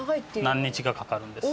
何日かかかるんです。